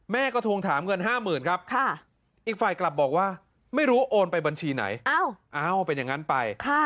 แม่ก็ทวงถามเงิน๕๐๐๐ครับอีกฝ่ายกลับบอกว่าไม่รู้โอนไปบัญชีไหนเป็นอย่างนั้นไป